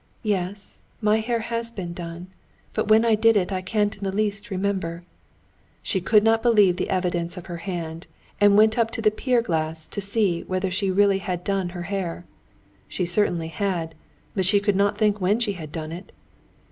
"Yes, my hair has been done, but when I did it I can't in the least remember." She could not believe the evidence of her hand, and went up to the pier glass to see whether she really had done her hair. She certainly had, but she could not think when she had done it.